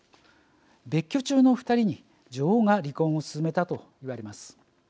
別居中の二人に離婚をすすめたといわれます。